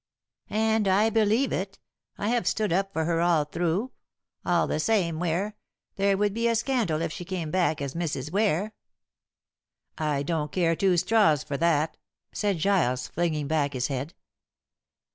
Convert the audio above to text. "And I believe it. I have stood up for her all through. All the same, Ware, there would be a scandal if she came back as Mrs. Ware." "I don't care two straws for that," said Giles, flinging back his head.